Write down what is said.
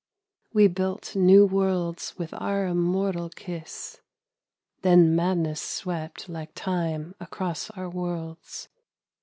We built new worlds with our immortal kiss, Then madness swept like Time across our worlds.